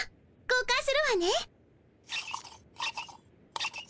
交かんするわね。